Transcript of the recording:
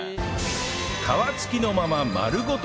皮付きのまま丸ごと